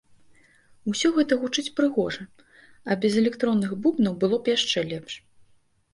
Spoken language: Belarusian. Усё гэта гучыць прыгожа, а без электронных бубнаў было б яшчэ лепш.